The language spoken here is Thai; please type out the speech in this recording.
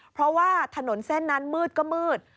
เพราะว่าถนนเส้นนั้นมืดก็มืด